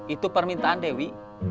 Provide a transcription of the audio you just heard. itu permintaan dewi